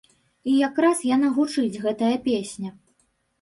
І якраз яна гучыць, гэтая песня!